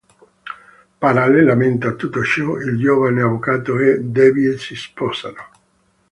Parallelamente a tutto ciò, il giovane avvocato e Debbie si sposano.